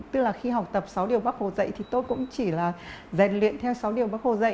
tức là khi học tập sáu điều bắc hồ dạy thì tôi cũng chỉ là dạy luyện theo sáu điều bắc hồ dạy